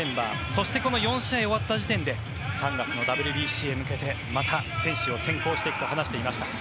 そしてこの４試合終わった時点で３月のＷＢＣへ向けてまた選手を選考していくと話していました。